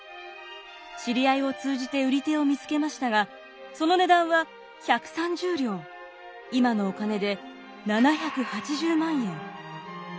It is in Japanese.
知り合いを通じて売り手を見つけましたがその値段は１３０両今のお金で７８０万円。